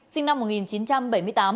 sinh năm một nghìn chín trăm bảy mươi tám